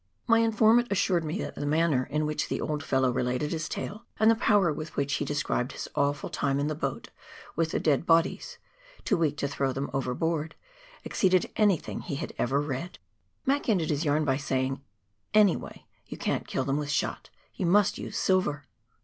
My informant assured me that the manner in which the old fellow related his tale, and the power with which he described his awful time in the boat with the dead bodies — too weak to throw them overboard — exceeded anything he had ever read. COOK RIVER AND ANCIENT GLACIERS. 149 Mac ended his yarn by saying, " Anyway, you can't kill them with shot, you must use silver."